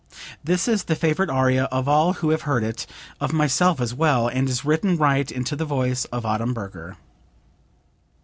This is the favorite aria of all who have heard it, of myself, as well, and is written right into the voice of Adamberger.